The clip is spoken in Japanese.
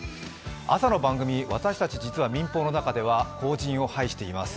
朝の番組、私たち実は民放の中では後じんを拝しています。